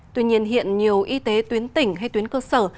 tuy nhiên hiện nhiều y tế tuyến tỉnh hay tuyến cơ sở